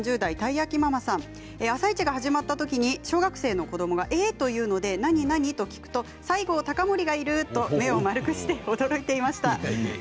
「あさイチ」が始まったときに小学生の子どもがええ！というのでなになに？と聞くと西郷隆盛がいる！と目を丸くして驚いていました。